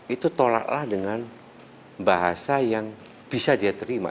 itu tolaklah dengan bahasa yang bisa dia terima